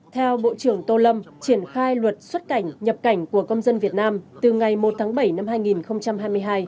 theo bộ trưởng tô lâm triển khai luật xuất cảnh nhập cảnh của công dân việt nam từ ngày một tháng bảy năm hai nghìn hai mươi hai